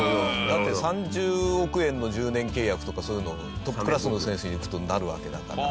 だって３０億円の１０年契約とかそういうのトップクラスの選手にいくとなるわけだから。